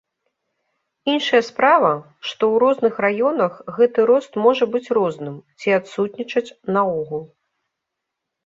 Іншая справа, што ў розных раёнах гэты рост можа быць розным ці адсутнічаць наогул.